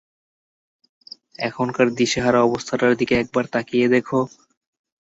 এখানকার দিশেহারা অবস্থাটার দিকে একবার তাকিয়ে দেখো!